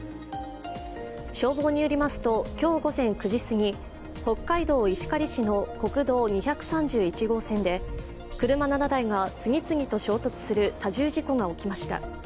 消防によりますと、今日午前９時すぎ北海道石狩市の国道２３１号線で車７台が次々と衝突する多重事故が起きました。